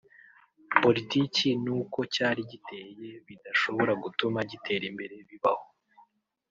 politiki n’uko cyari giteye bidashobora gutuma gitera imbere bibaho